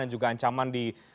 dan juga ancaman